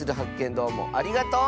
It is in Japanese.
どうもありがとう！